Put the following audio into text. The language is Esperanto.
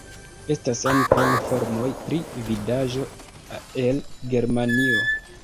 Estas ankaŭ informoj pri vidaĵo el Germanio.